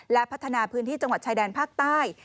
และพัฒนาพื้นที่จังหวัดชายแดนภาคใต้